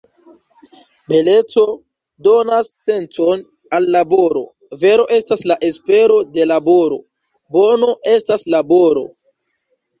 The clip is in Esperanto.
Beleco- donas sencon al laboro, vero- estas la espero de laboro, bono- estas laboro.